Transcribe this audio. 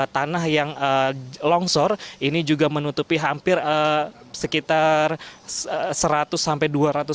tanah yang longsor ini juga menutupi hampir sekitar seratus sampai dua ratus